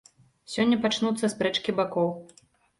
Сёння пачнуцца спрэчкі бакоў.